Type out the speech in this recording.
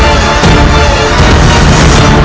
aku akan mencari penyelesaianmu